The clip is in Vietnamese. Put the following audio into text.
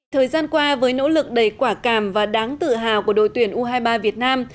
thời gian qua với nỗ lực đầy quả càm và đáng tự hào của đội tuyển u hai mươi ba việt nam